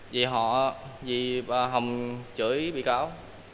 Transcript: vì họ vì bà hồng chửi bị cáo